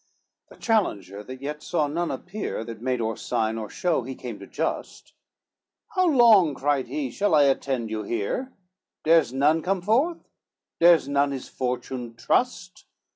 XXVIII The challenger, that yet saw none appear That made or sign or show he came to just, "How long," cried he, "shall I attend you here? Dares none come forth? dares none his fortune trust?"